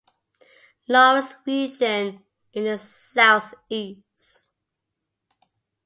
Lawrence region in the southeast.